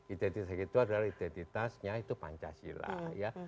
identitas itu adalah identitasnya itu pancasila ya